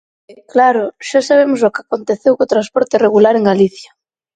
E, claro, xa sabemos o que aconteceu co transporte regular en Galicia.